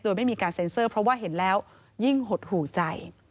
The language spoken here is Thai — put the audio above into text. โดยไม่มีการเซ็นเซอร์เพราะว่าเห็นแล้วยิ่งหดหูใจ